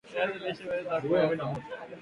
viazi lishe huweza kuokwa